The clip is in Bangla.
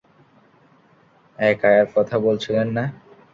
এক আয়ার কথা বলেছিলেন না?